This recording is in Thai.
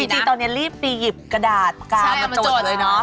จริงตอนนี้รีบไปหยิบกระดาษกาวมาจดเลยเนาะ